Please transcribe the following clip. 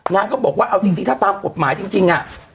นางก็บอกว่าเอาจริงถ้าตามกฎหมายจริง